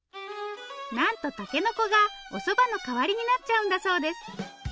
なんとたけのこがおそばの代わりになっちゃうんだそうです。